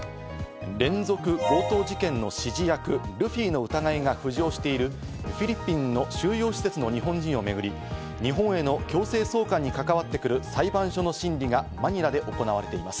連続強盗事件の指示役・ルフィの疑いが浮上しているフィリピンの収容施設の日本人をめぐり、日本への強制送還に関わってくる裁判所の審理がマニラで行われています。